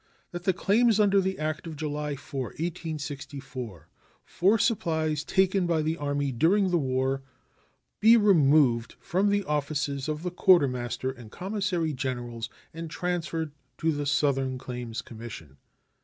That the claims under the act of July 4, 1864, for supplies taken by the Army during the war be removed from the offices of the Quartermaster and Commissary Generals and transferred to the Southern Claims Commission.